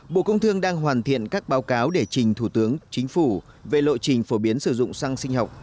bộ công thương đang hoàn thiện các báo cáo để trình thủ tướng chính phủ về lộ trình phổ biến sử dụng xăng sinh học